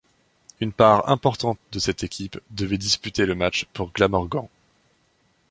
Une part importante de cette équipe devait disputer le match pour Glamorgan.